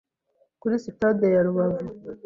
kuri Sitade ya Rubavu